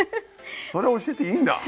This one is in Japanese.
それ教えていいんだ？